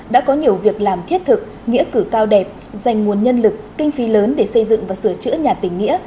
đã có nhiều việc làm thiết thực nghĩa cử cao đẹp dành nguồn nhân lực kinh phí lớn để xây dựng và sửa chữa nhà tỉnh nghĩa